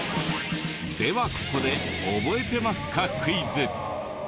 ではここで覚えてますかクイズ。